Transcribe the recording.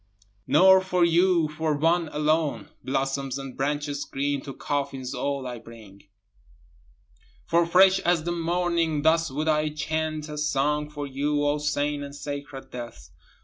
7 (Nor for you, for one alone, Blossoms and branches green to coffins all I bring, For fresh as the morning, thus would I chant a song for you O sane and sacred death.